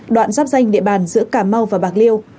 đoạn giáp danh địa bàn giữa cà mau và bạc liêu